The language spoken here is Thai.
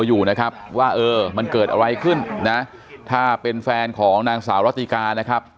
อยู่นะครับว่าเออมันเกิดอะไรขึ้นนะถ้าเป็นแฟนของนางสาวรัติกานะครับ